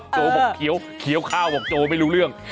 โจโจบอกเขียวเขียวข้าวบอกโจโจไม่รู้เรื่อง